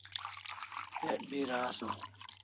Ek bira asaw